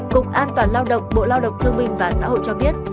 cục an toàn lao động bộ lao động thương minh và xã hội cho biết